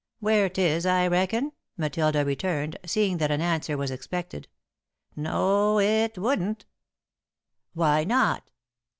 "Where 'tis, I reckon," Matilda returned, seeing that an answer was expected. "No, it wouldn't." "Why not?"